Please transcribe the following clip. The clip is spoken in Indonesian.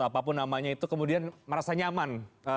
apapun namanya itu kemudian merasa nyaman